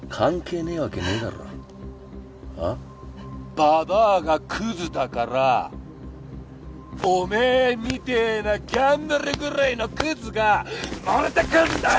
ばばあがクズだからお前みてぇなギャンブル狂いのクズが生まれてくんだよ！